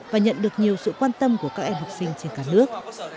và nhận được nhiều sự quan tâm của các em học sinh trên cả nước